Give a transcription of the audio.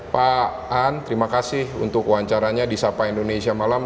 pak an terima kasih untuk wawancaranya di sapa indonesia malam